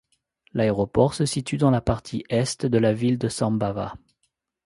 L'aéroport se situe dans la partie est de la ville de Sambava.